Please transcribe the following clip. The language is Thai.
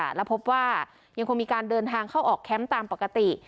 และพบว่ายังคงมีการเดินทางเข้าออกแคมป์ตามปกติ